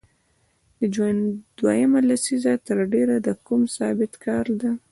د ژوند دویمه لسیزه تر ډېره د کوم ثابت کار له